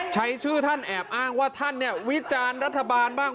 ใช้ชื่อท่านแอบอ้างว่าท่านเนี่ยวิจารณ์รัฐบาลบ้าง